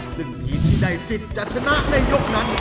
ซึ่งทีมที่ได้สิทธิ์จะชนะในยกนั้น